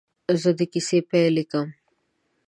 زه د کیسې پاې لیکم.